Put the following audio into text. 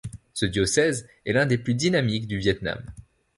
Ce diocèse est l'un des plus dynamiques du Viêt Nam.